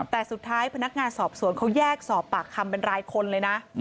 แต่สุดท้ายพนักงานสอบสวนเขาแยกสอบปากคำเป็นรายคนเลยนะ